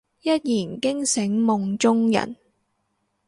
一言驚醒夢中人